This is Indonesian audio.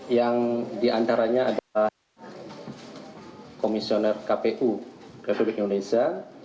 yang diantaranya adalah komisioner kpu republik indonesia